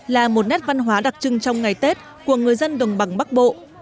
là một nét văn hóa đặc trưng trong ngày tết của người dân đồng bằng bắc bộ